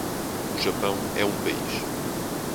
O Japão é um país.